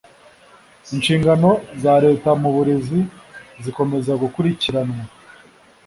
Inshingano za Leta mu burezi zikomeza gukurikiranwa